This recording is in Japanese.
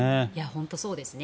本当にそうですね。